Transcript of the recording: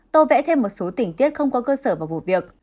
tò vẽ thêm một số tỉnh tiết không có cơ sở vào vụ việc